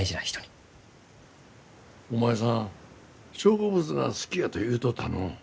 お前さん植物が好きやと言うとったのう。